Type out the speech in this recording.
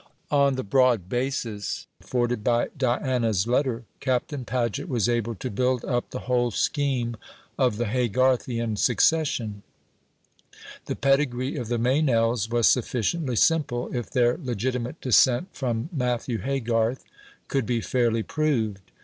On the broad basis afforded by Diana's letter Captain Paget was able to build up the whole scheme of the Haygarthian succession. The pedigree of the Meynells was sufficiently simple, if their legitimate descent from Matthew Haygarth could be fairly proved.